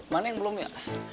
mana yang belum ya